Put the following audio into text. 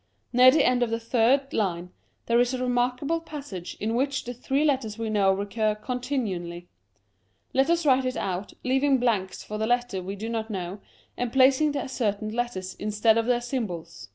Near the end of the third line, there is a remarkable passage, in which the three letters we know recur continually. Let us write it out, leaving blanks for the letters we do not know, and placing the ascertained letters instead of their symbols.